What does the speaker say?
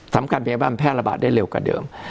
สำคัญพยาบาลแพร่ระบาดได้เร็วกว่าเดิม